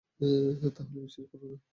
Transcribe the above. তাহলে বিশ্বাস করোনা।